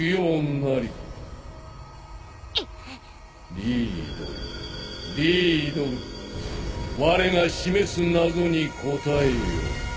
リィードルリィードルわれが示す謎に答えよ。